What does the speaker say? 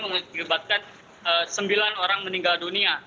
mengibatkan sembilan orang meninggal dunia